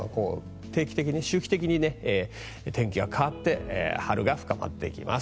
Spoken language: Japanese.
定期的に、周期的に天気が変わって春が深まっていきます。